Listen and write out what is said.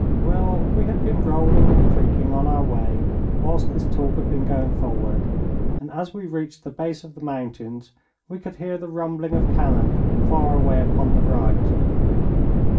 Well, we had been rolling and creaking on our way whilst this talk had been going forward, and as we reached the base of the mountains we could hear the rumbling of cannon far away upon the right.